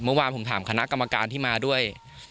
เมื่อวานผมถามคณะกรรมการที่มาด้วย